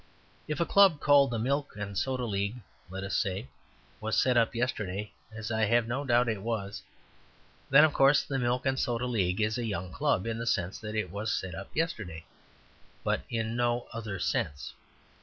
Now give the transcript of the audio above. If a club called "The Milk and Soda League" (let us say) was set up yesterday, as I have no doubt it was, then, of course, "The Milk and Soda League" is a young club in the sense that it was set up yesterday, but in no other sense.